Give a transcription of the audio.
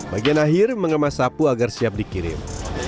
bagian akhir mengemas sapu agar siap dikirim